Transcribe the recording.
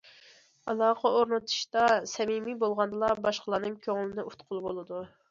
ئالاقە ئورنىتىشتا سەمىمىي بولغاندىلا، باشقىلارنىڭ كۆڭلىنى ئۇتقىلى بولىدۇ.